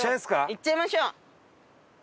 行っちゃいましょう。